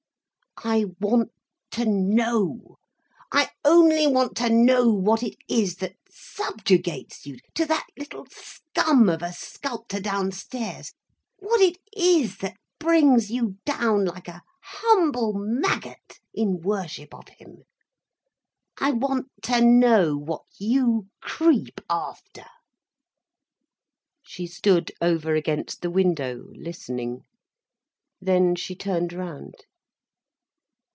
I want to know, I only want to know what it is that subjugates you to that little scum of a sculptor downstairs, what it is that brings you down like a humble maggot, in worship of him. I want to know what you creep after." She stood over against the window, listening. Then she turned round.